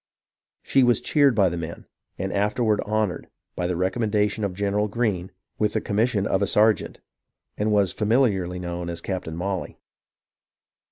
She was cheered by the men, and afterward honoured, by the recommendation of General Greene, with the commission of a sergeant, and was familiarly known as " Captain Molly."